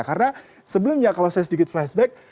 karena sebelumnya kalau saya sedikit flashback